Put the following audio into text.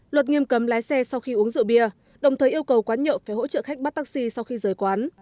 luật nghiêm cấm lái xe sau khi uống rượu bia đồng thời yêu cầu quán nhậu phải hỗ trợ khách bắt taxi sau khi rời quán